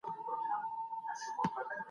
ډېری اختلالونه ذهني ريښه لري.